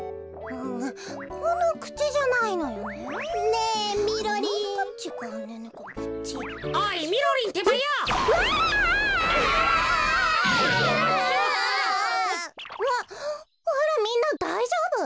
うわっあらみんなだいじょうぶ？